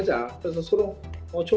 jadi kita berkata